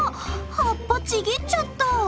葉っぱちぎっちゃった！